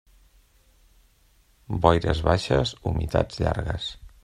Boires baixes, humitats llargues.